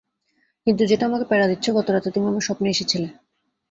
কিন্তু যেটা আমাকে প্যারা দিচ্ছে, গতরাতে তুমি আমার স্বপ্নে এসেছিলে।